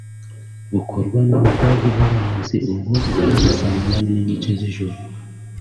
bukorwa n’abadage b’abanazi ubwo guhera saa munani n’igice z’ijoro